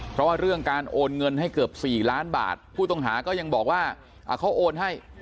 เพราะว่าเรื่องการโอนเงินให้เกือบ๔ล้านบาทผู้ต้องหาก็ยังบอกว่าเขาโอนให้